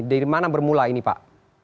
dari mana bermula ini pak